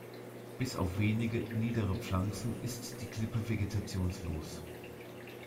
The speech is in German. Bis auf wenige niedere Pflanzen ist die Klippe vegetationslos.